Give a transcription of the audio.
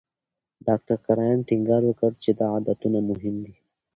ډاکټر کرایان ټینګار وکړ چې دا عادتونه مهم دي.